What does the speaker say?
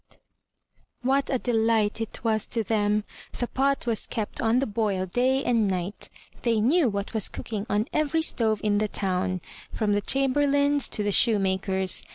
272 THE TREASURE CHEST What a delight it was to them. The pot was kept on the boil day and night. :They knew what was cooking on every stove in the town, from the chamberlain's to the shoemaker's.